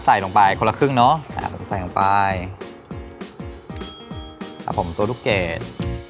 ใส่ลงไปคนละครึ่งเนอะใส่ลงไปครับผมตัวลูกเกด